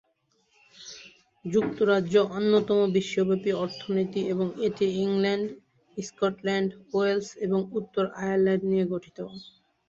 যুক্তরাজ্য অন্যতম বিশ্বব্যাপী অর্থনীতি এবং এটি ইংল্যান্ড, স্কটল্যান্ড, ওয়েলস এবং উত্তর আয়ারল্যান্ড নিয়ে গঠিত।